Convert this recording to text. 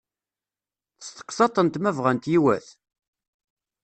Testeqsaḍ-tent ma bɣant yiwet?